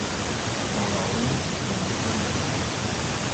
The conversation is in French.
Dans la ronce et dans le genêt